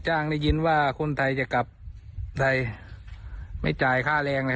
จ้างได้ยินว่าคุณไทยจะกลับไทยไม่จ่ายค่าแรงเลย